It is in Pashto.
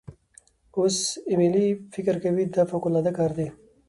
اوس ایمیلی فکر کوي دا فوقالعاده کار دی.